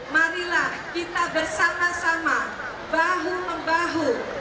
marilah kita bersama sama bahu membahu